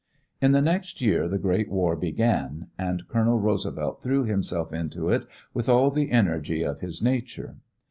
In the next year the great war began, and Colonel Roosevelt threw himself into it with all the energy of his nature.